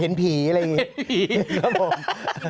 เผ็นผีอะไรอย่างเพียง